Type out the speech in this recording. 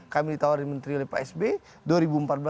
kami ditawarin menteri oleh pak s b